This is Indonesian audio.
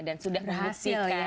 dan sudah berhasil ya